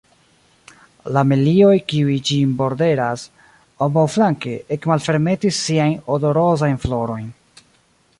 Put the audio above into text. La melioj, kiuj ĝin borderas ambaŭflanke, ekmalfermetis siajn odorozajn florojn.